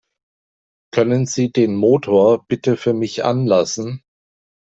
Können Sie den Motor bitte für mich anlassen?